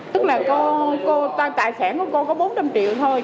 tức là có tài sản của cô có bốn trăm linh triệu thôi